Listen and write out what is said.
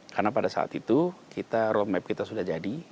karena pada saat itu roadmap kita sudah jadi